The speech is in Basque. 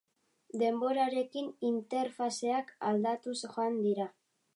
Denborarekin interfazeak aldatuz joan dira.